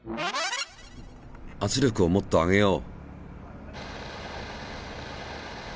圧力をもっと上げよう。